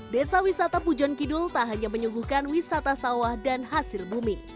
desa wisata pujon kidul tak hanya menyuguhkan wisata sawah dan hasil bumi